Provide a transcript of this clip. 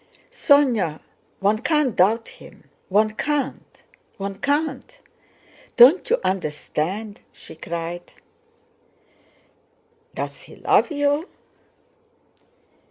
"Sónya, one can't doubt him! One can't, one can't! Don't you understand?" she cried. "Does he love you?"